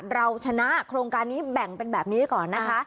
เราชนะโครงการนี้แบ่งเป็นแบบนี้ก่อนนะคะ